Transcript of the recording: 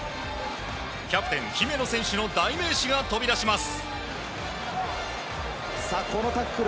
キャプテン姫野選手の代名詞が飛び出します。